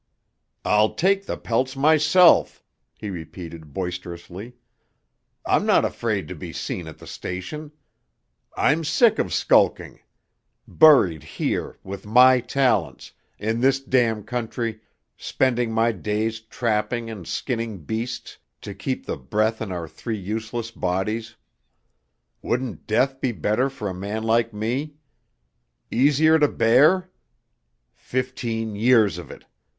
"I'll take the pelts myself," he repeated boisterously. "I'm not afraid to be seen at the station. I'm sick of skulking. Buried here with my talents in this damn country, spending my days trapping and skinning beasts to keep the breath in our three useless bodies. Wouldn't death be better for a man like me? Easier to bear? Fifteen years of it!